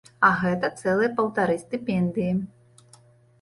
А гэта цэлыя паўтары стыпендыі!